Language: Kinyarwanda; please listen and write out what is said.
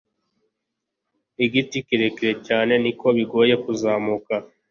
Igiti kirekire cyane, niko bigoye kuzamuka.